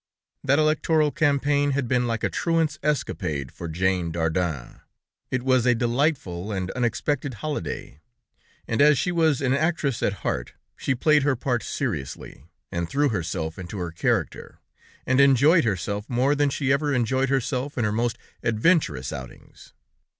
] That electoral campaign had been like a truant's escapade for Jane Dardenne; it was a delightful and unexpected holiday, and as she was an actress at heart, she played her part seriously, and threw herself into her character, and enjoyed herself more than she ever enjoyed herself in her most adventurous outings.